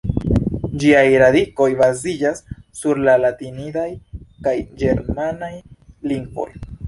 Ĝiaj radikoj baziĝas sur la latinidaj kaj ĝermanaj lingvoj.